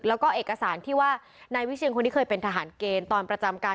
แล้วก็เอกสารที่ว่านายวิเชียนคนนี้เคยเป็นทหารเกณฑ์ตอนประจำการ